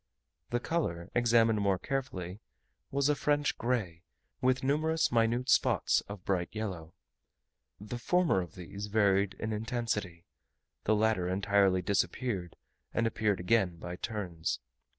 The colour, examined more carefully, was a French grey, with numerous minute spots of bright yellow: the former of these varied in intensity; the latter entirely disappeared and appeared again by turns.